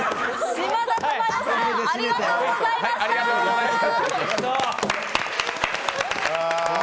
島田珠代さん、ありがとうございました。